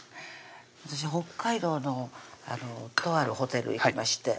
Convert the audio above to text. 私北海道のとあるホテル行きまして